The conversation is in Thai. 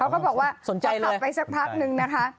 เขาบอกว่าจะขับไปสักพักนึงนะคะ